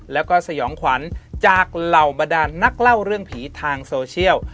แล้วก็สยองขวัญจากเหล่าบรรดานนักเล่าเรื่องผีทางโซเชียล